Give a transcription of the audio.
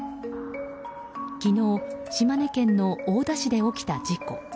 昨日、島根県の大田市で起きた事故。